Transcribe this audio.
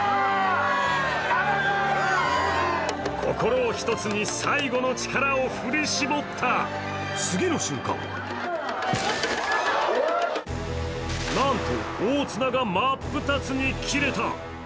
心を一つに、最後の力を振り絞った次の瞬間なんと大綱が真っ二つに切れた！